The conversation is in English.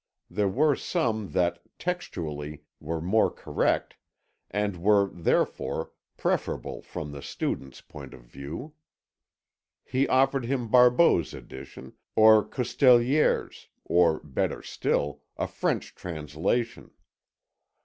There were some that, textually, were more correct, and were, therefore, preferable from the student's point of view. He offered him Barbou's edition, or Coustelier's, or, better still, a French translation.